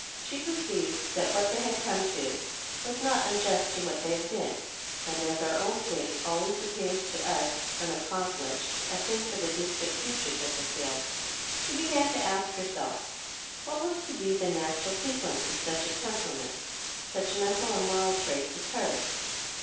She perceived that what they had come to was not unjust to what they had been; and as our own fate always appears to us unaccomplished, a thing for the distant future to fulfil, she began to ask herself what was to be the natural sequence of such a temperament, such mental and moral traits, as hers.